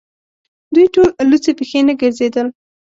دوی ټول لڅې پښې نه ګرځېدل.